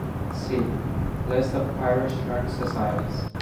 "See: List of Irish learned societies"